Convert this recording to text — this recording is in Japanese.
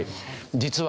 実は。